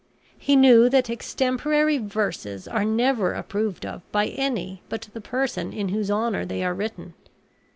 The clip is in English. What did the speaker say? He knew that extemporary verses are never approved of by any but by the person in whose honor they are written.